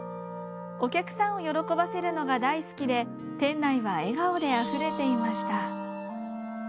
お客さんを喜ばせるのが大好きで店内は笑顔であふれていました。